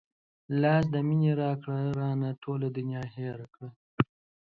لاس د مينې راکړه رانه ټوله دنيا هېره کړه